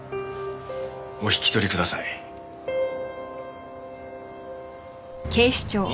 お引き取りください。